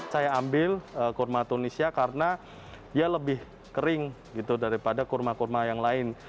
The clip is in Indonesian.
saya ambil kurma tunisia karena dia lebih kering gitu daripada kurma kurma yang lain